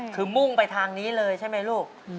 คือมุ่งไปทางนี้เลยใช่ไหมลูก